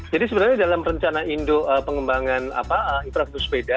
jadi sebenarnya dalam rencana indo pengembangan infrastruktur sepeda